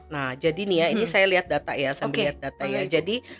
nah jadi nih ya ini saya lihat data ya saya melihat data ya